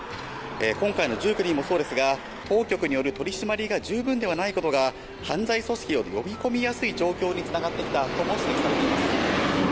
今回の１９人もそうですが当局による取り締まりが十分ではないことが犯罪組織を呼び込みやすい状況につながってきたと指摘されています。